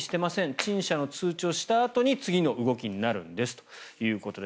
陳謝の通知をしたあとに次の動きになるんですということです。